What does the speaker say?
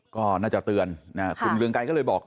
ก็น่าจะเตือนคุณเรืองไกรก็เลยบอก